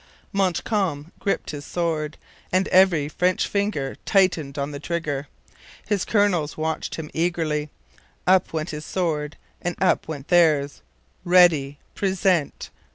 Montcalm gripped his sword, and every French finger tightened on the trigger. His colonels watched him eagerly. Up went his sword and up went theirs. READY! PRESENT!